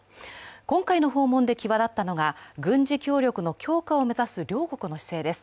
今回の訪問で際だったのが軍事協力の強化を目指す両国の姿勢です。